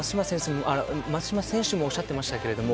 松島選手もおっしゃっていましたけど